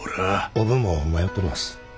おぶんも迷っております。